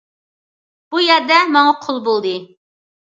بۇ يەردە ماڭا قۇل بولدى.